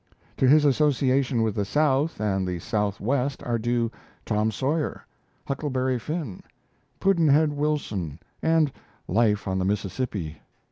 To his association with the South and the Southwest are due 'Tom Sawyer', 'Huckleberry Finn', 'Pudd'nhead Wilson', and 'Life on the Mississippi'.